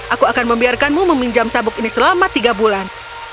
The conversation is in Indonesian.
aku akan membiarkanmu meminjam sabuk ini selama tiga bulan